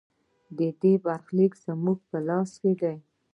د دې برخلیک زموږ په لاس کې دی؟